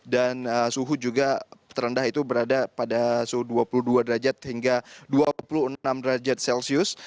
suhu juga terendah itu berada pada suhu dua puluh dua derajat hingga dua puluh enam derajat celcius